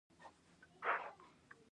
د غوږ د درد لپاره د هوږې تېل وکاروئ